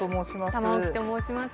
玉置と申します。